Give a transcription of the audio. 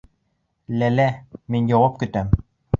Ләлә, мин яуап көтәм.